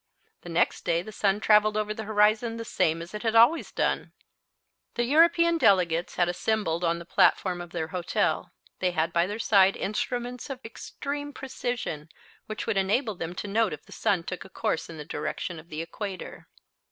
The next day the sun travelled over the horizon the same as it had always done. The European delegates had assembled on the platform of their hotel. They had by their side instruments of extreme precision which would enable them to note if the sun took a course in the direction of the equator.